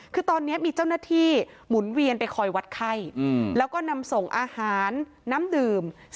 คือตอนนี้มีเจ้าหน้าที่หมุนเวียนไปคอยวัดไข้แล้วก็นำส่งอาหารน้ำดื่ม